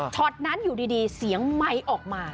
นั้นอยู่ดีเสียงไมค์ออกมา